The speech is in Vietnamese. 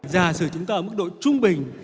giả sử chúng ta ở mức độ trung bình